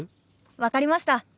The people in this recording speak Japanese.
分かりました。